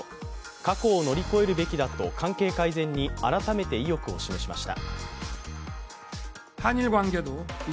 過去を乗り越えるべきだと関係改善に改めて意欲を示しました。